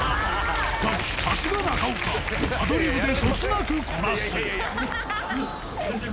が、さすが中岡、アドリブでそつなくこなす。